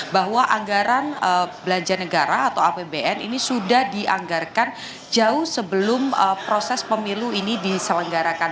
bahwa anggaran belanja negara atau apbn ini sudah dianggarkan jauh sebelum proses pemilu ini diselenggarakan